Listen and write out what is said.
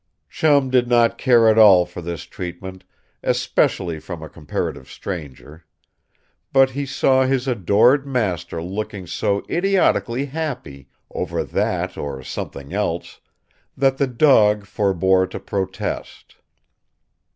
Chum did not care at all for this treatment, especially from a comparative stranger. But he saw his adored master looking so idiotically happy over that or something else that the dog forbore to protest.